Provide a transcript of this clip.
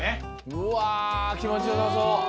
うわ気持ちよさそう。